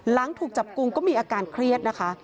หลังถูกจับกลุ่มก็มีอาการเครียดนะคะ